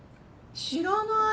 知らない。